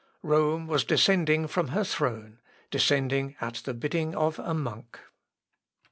Rome was descending from her throne, descending at the bidding of a monk.